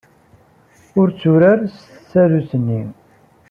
Ur tturar s tsarut-nni!